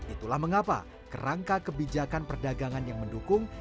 itulah mengapa kerangka kebijakan perdagangan yang mendukung